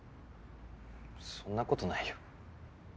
そんな事ないよ。